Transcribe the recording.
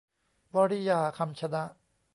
วริยา คำชนะ